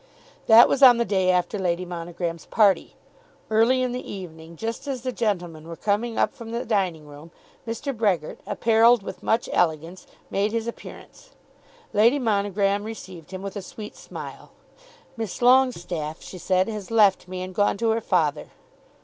That was on the day after Lady Monogram's party. Early in the evening, just as the gentlemen were coming up from the dining room, Mr. Brehgert, apparelled with much elegance, made his appearance. Lady Monogram received him with a sweet smile. "Miss Longestaffe," she said, "has left me and gone to her father."